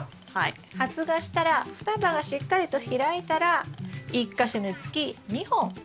発芽したら双葉がしっかりと開いたら１か所につき２本残して下さい。